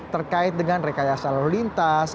terkait dengan rekayasa lalu lintas